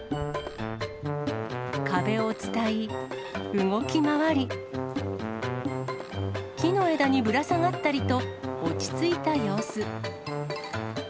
壁を伝い、動き回り、木の枝にぶら下がったりと、落ち着いた様子。